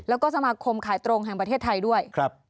แล้วก็สมาคมขายตรงแห่งประเทศไทยด้วย